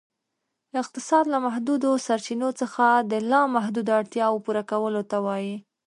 اقتصاد ، له محدودو سرچینو څخه د لا محدودو اړتیاوو پوره کولو ته وایي.